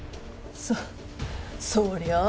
そそりゃあ。